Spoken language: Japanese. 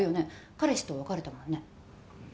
彼氏と別れたもんね？